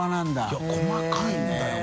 い細かいんだよな。